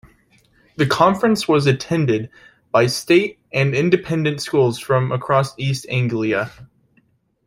The conference was attended by state and independent schools from across East Anglia.